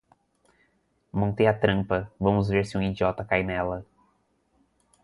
Montei a trampa, vamos ver se um idiota cai nela